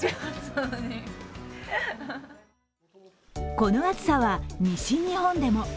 この暑さは西日本でも。